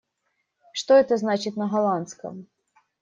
Что это значит на голландском?